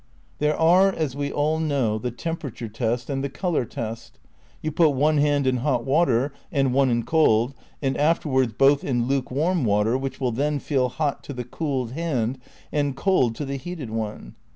There are, as we all know, the temperature test, and the colour test. You put one hand in hot water and one in cold, and afterwards both in lukewarm water which will then feel hot to the cooled hand and cold to the heated one.